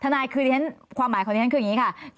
ค่ะถ้านายคือที่ฉันความหมายของที่ฉันคืออย่างนี้ค่ะ